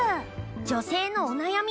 女性のお悩み